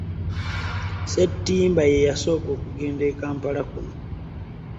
Ssettimba ye yasooka okugenda e Kampala kuno.